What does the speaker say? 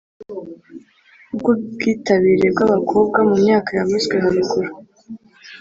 Ry ubwitabire bw abakobwa mu myaka yavuzwe haruguru